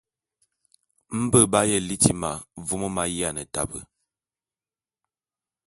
Mbé b'aye liti ma vôm m'ayiane tabe.